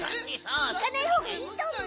いかないほうがいいとおもう。